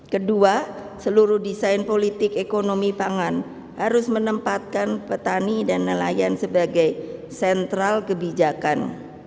kedua seluruh desain politik ekonomi pangan harus menempatkan petani dan nelayan sebagai sentral kebijakan